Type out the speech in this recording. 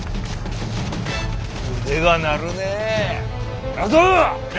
腕が鳴るねえ！